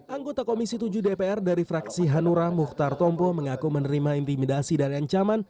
anggota komisi tujuh dpr dari fraksi hanura mukhtar tompo mengaku menerima intimidasi dari ancaman